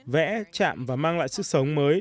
vẽ chạm và mang lại sức sống mới